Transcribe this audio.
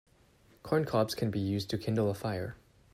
Corn cobs can be used to kindle a fire.